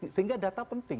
sehingga data penting